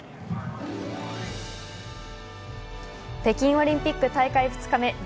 北京オリンピック大会２日目。